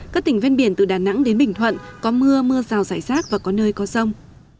các tỉnh ven biển từ đà nẵng đến bình thuận có mưa mưa rào rải rác và có nơi có rông